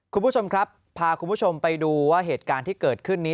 คุณผู้ชมครับพาคุณผู้ชมไปดูว่าเหตุการณ์ที่เกิดขึ้นนี้